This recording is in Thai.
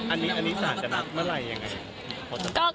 อันนี้ศาลจะนัดเมื่อไหร่ยังไง